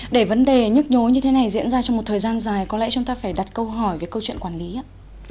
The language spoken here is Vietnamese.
để vấn đề nhức nhối như thế này diễn ra trong một thời gian dài có lẽ chúng ta phải đặt câu hỏi về câu chuyện quản lý ạ